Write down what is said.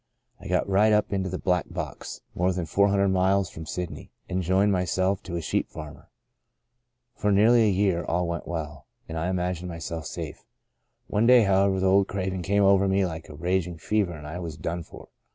I got right up into the * back blocks,' more than four hundred miles from Sydney, and joined my self to a sheep farmer. For nearly a year all went well, and I imagined myself safe. One day, however, the old craving came over me like a raging fever and I was done for.